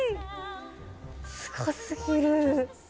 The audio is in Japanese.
すごすぎる！